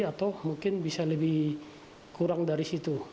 atau mungkin bisa lebih kurang dari situ